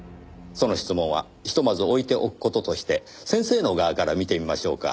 その質問はひとまず置いておく事として先生の側から見てみましょうか。